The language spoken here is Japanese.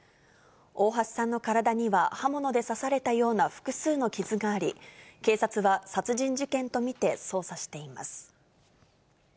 大橋さんの体には刃物で刺されたような複数の傷があり、警察は殺人事件と見て捜査しています。